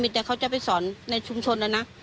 แต่เขาจะไปสอนในชุมชนแล้วนะ